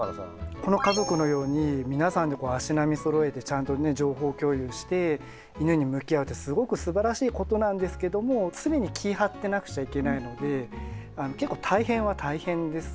この家族のように皆さんで足並みそろえてちゃんとね情報共有して犬に向き合うってすごくすばらしいことなんですけども常に気ぃ張ってなくちゃいけないので結構大変は大変ですよね。